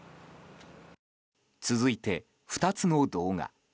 続いて２つの動画。